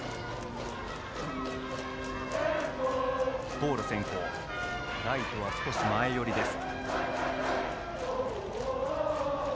ボール先行ライトは少し前寄りです。